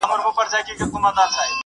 هم خورما او هم ثواب `